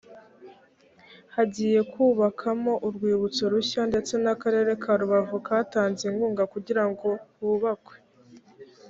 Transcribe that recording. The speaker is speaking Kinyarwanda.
hagiye kubakamo urwibutso rushya ndetse n ‘akarere ka rubavu katanze inkunga kugira ngo hubakwe.